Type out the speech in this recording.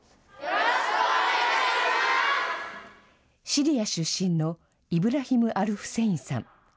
シリア出身のイブラヒム・アル・フセインさん。